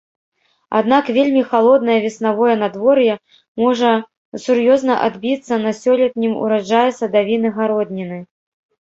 Аднак вельмі халоднае веснавое надвор'е можа сур'ёзна адбіцца на сёлетнім ураджаі садавіны-гародніны.